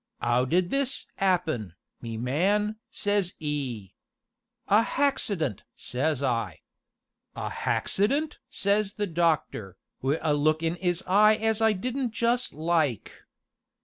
'Ow did this 'appen, me man?' says 'e. 'A haccident!' says I. 'A haccident?' says the doctor, wi' a look in 'is eye as I didn't just like.